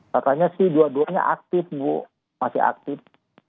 katanya sih dua duanya aktif bu masih aktif